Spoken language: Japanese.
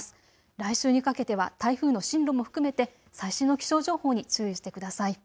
来週にかけては台風の進路も含めて最新の気象情報に注意してください。